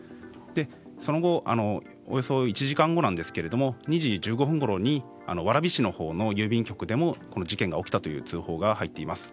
その後、およそ１時間後ですが２時１５分ごろに蕨市のほうの郵便局でもこの事件が起きたという通報が入っています。